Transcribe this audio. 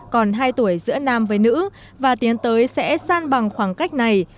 còn hai tuổi giữa nam với nữ và tiến tới sẽ san bằng khoảng cách này